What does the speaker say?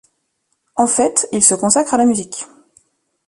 En fait, il se consacre à la musique.